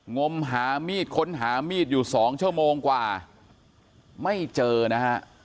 งมหามีดค้นหามีดอยู่สองชั่วโมงกว่าไม่เจอนะฮะ